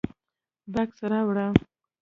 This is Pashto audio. _بکس راوړه.